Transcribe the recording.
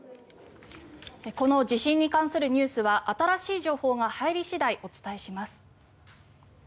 この地震に関するニュースは新しい情報が入り次第お伝えします。